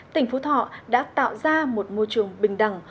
tỉnh phú thọ đã tạo ra một môi trường bình đẳng